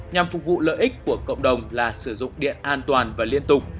nhằm phục vụ lợi ích của cộng đồng là sử dụng điện an toàn và liên tục